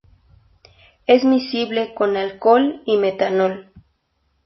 Es miscible con alcohol y con metanol.